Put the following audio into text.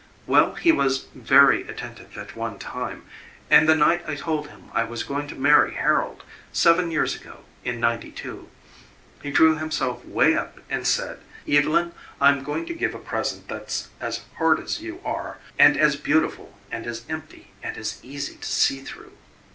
Well, he was very attentive at one time, and the night I told him I was going to marry Harold, seven years ago in ninety two, he drew himself way up and said: 'Evylyn, I'm going to give a present that's as hard as you are and as beautiful and as empty and as easy to see through.'